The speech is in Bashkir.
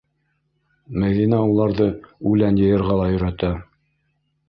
Мәҙинә уларҙы үлән йыйырға ла өйрәтә.